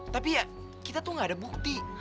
tapi ya kita tuh gak ada bukti